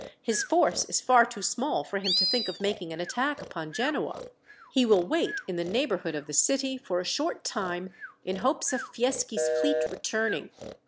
His force is far too small for him to think of making an attack upon Genoa. He will wait in the neighbourhood of the city for a short time in hopes of Fieschi's fleet returning.